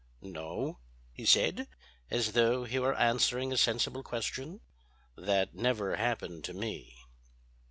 "No," he said, as though he were answering a sensible question, "that never happened to me."